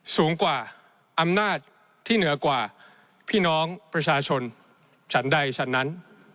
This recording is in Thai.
สูงกว่าอำนาจที่เหนือกว่าพี่น้องประชาชนฉันใดฉันนั้น